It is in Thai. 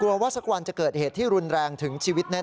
แล้วก็เขาร้องเพจดัง